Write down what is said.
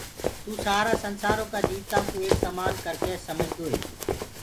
توُ سآرآ سنسآرو ڪآ جيوتآنٚ ڪو ايڪ سمآن ڪرڪي سمجدوئي